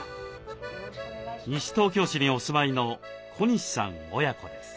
西東京市にお住まいの小西さん親子です。